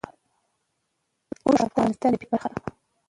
اوښ د افغانستان د طبیعت برخه ده.